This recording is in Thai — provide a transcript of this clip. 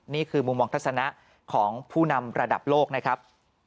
นี่คือมุมมองทัศนะของผู้นำระดับโลกนะครับ